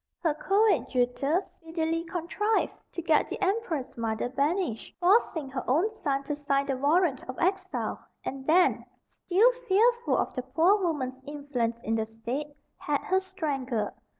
Her coadjutor speedily contrived to get the empress mother banished, forcing her own son to sign the warrant of exile; and then, still fearful of the poor woman's influence in the state, had her strangled.